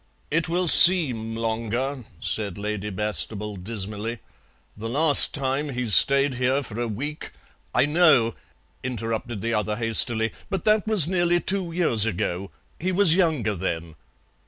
"It will seem longer," said Lady Bastable dismally. "The last time he stayed here for a week " "I know," interrupted the other hastily, "but that was nearly two years ago. He was younger then."